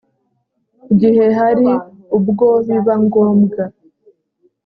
gihe hari ubwo biba ngombwa